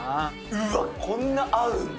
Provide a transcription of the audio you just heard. うわっ、こんな合うんだ。